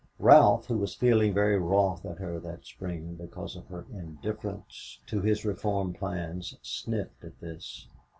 Ralph, who was feeling very wroth at her that spring because of her indifference to his reform plans, sniffed at this.